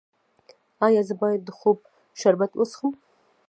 ایا زه باید د خوب شربت وڅښم؟